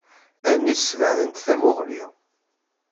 Allen-is sbeɛdent tamuɣli.